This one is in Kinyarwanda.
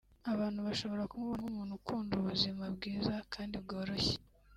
Abantu bashobora kumubona nk’umuntu ukunda ubuzima bwiza kandi bworoshye